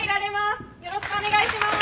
よろしくお願いします。